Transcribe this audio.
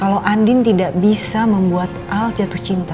kalau andin tidak bisa membuat al jatuh cinta